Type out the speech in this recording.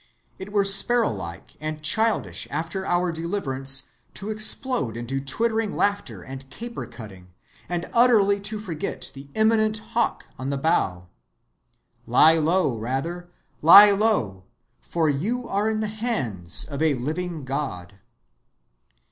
It were sparrowlike and childish after our deliverance to explode into twittering laughter and caper‐ cutting, and utterly to forget the imminent hawk on bough. Lie low, rather, lie low; for you are in the hands of a living God.